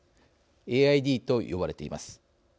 ＡＩＤと呼ばれています。